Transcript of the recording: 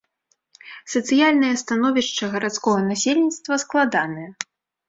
Сацыяльная становішча гарадскога насельніцтва складанае.